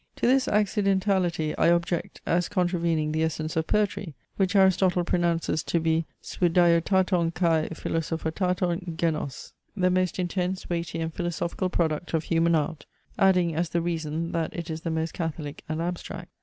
To this actidentality I object, as contravening the essence of poetry, which Aristotle pronounces to be spoudaiotaton kai philosophotaton genos, the most intense, weighty and philosophical product of human art; adding, as the reason, that it is the most catholic and abstract.